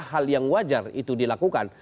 hal yang wajar itu dilakukan